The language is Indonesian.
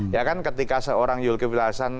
ya kan ketika seorang yul kivilasan